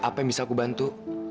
apa yang bisa aku bantu